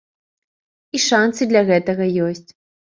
І шанцы для гэтага ёсць.